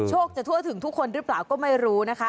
จะทั่วถึงทุกคนหรือเปล่าก็ไม่รู้นะคะ